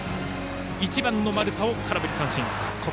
１番の丸田も空振り三振。